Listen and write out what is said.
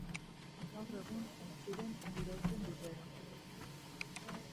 Gaur egun aintziren irauten dute.